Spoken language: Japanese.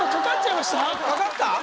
かかった？